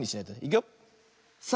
いくよ。